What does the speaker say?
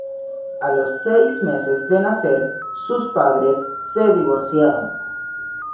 A los seis meses de nacer, sus padres se divorciaron.